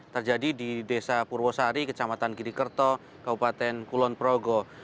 terjadi di desa purwosari kecamatan girikerto kabupaten kulon progo